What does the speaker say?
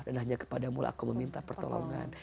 dan hanya kepada mula aku meminta pertolongan